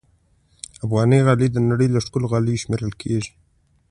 افغاني غالۍ د نړۍ له ښکلو غالیو شمېرل کېږي.